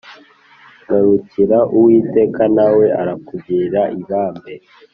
Garukira uwiteka nawe arakugirira ibambe